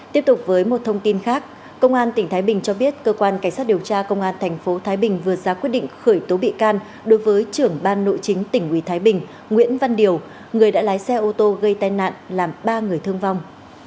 tiếp tục với một thông tin khác công an tỉnh thái bình cho biết cơ quan cảnh sát điều tra công an tp thái bình vừa ra quyết định khởi tố bị can đối với trưởng ban nội chính tỉnh ủy thái bình nguyễn văn điều người đã lái xe ô tô gây tai nạn làm ba người thương vong